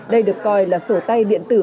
đây được coi là sổ tay điện tử